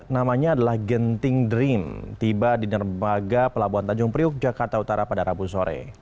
namanya adalah genting dream tiba di nerbaga pelabuhan tanjung priuk jakarta utara pada rabu sore